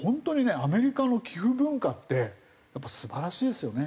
アメリカの寄付文化ってやっぱ素晴らしいですよね。